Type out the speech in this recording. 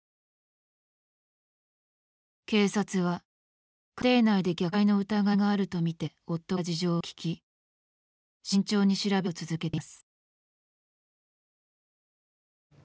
警察は、家庭内で虐待の疑いがあるとみて夫から事情を聞き慎重に調べを続けています。